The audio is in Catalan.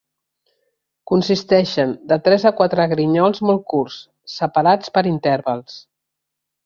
Consisteixen de tres a quatre grinyols molt curts, separats per intervals.